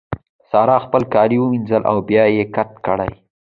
سارا خپل کالي ومينځل او بيا يې کت کړې.